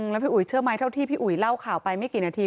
แล้วพี่อุ๋ยเชื่อไหมเท่าที่พี่อุ๋ยเล่าข่าวไปไม่กี่นาที